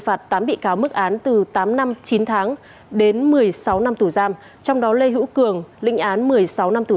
phạt tám bị cáo mức án từ tám năm chín tháng đến một mươi sáu năm tù giam trong đó lê hữu cường linh án một mươi sáu năm tù